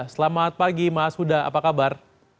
selamat pagi mas huda apa kabar